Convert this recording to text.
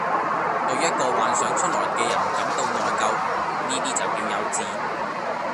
對一個幻想出來嘅人感到內疚，呢啲就叫幼稚